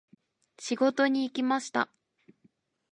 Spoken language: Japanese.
仕事に行きました。